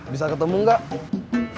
bisa ketemu gak